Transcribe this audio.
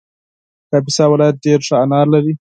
کاپیسا ولایت ډېر ښه انار لري